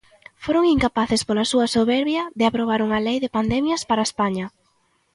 Foron incapaces pola súa soberbia de aprobar unha lei de pandemias para España.